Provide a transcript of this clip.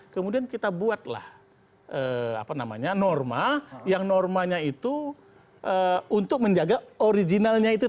kemudian kita buatlah norma yang normanya itu untuk menjaga originalnya itu